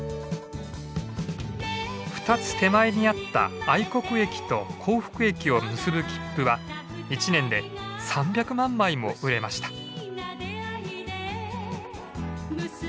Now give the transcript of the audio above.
２つ手前にあった愛国駅と幸福駅を結ぶ切符は１年で３００万枚も売れました。